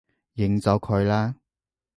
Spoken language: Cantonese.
認咗佢啦